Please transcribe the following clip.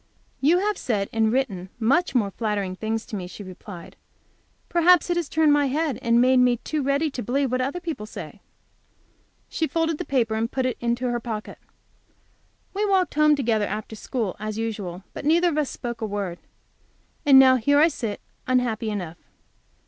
"You have said and written much more flattering things to me," she replied. "Perhaps it has turned my head, and made me too ready to believe what other people say." She folded the paper, and put it into her pocket. We walked home together, after school, as usual, but neither of us spoke a word. And now here I sit, unhappy enough.